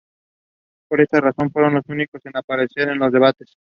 Por esta razón, fueron los únicos en aparecer en los debates.